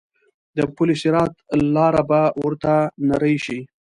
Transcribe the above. د پل صراط لاره به ورته نرۍ شي.